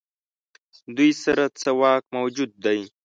دوی سره څه واک موجود دی.